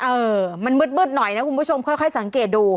เออมันมืดหน่อยนะคุณผู้ชมค่อยสังเกตดู